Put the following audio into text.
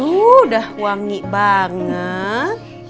aduh udah wangi banget